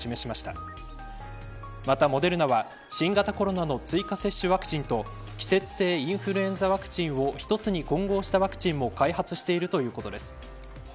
またモデルナは新型コロナの追加接種ワクチンと季節性インフルエンザワクチンを１つに混合したワクチンも開発しているということです。